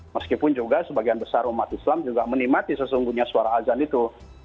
meskipun juga sebagian besar umat islam juga menikmati sesungguhnya suara azan itu